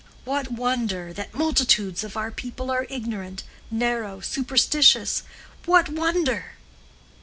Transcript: What wonder that multitudes of our people are ignorant, narrow, superstitious? What wonder?"